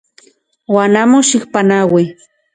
Uan amo xikpanaui.